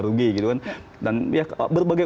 rugi gitu kan dan ya berbagai